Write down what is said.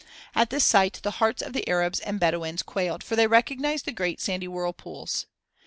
At this sight the hearts of the Arabs and Bedouins quailed for they recognized the great sandy whirlpools.